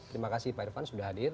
terima kasih pak irfan sudah hadir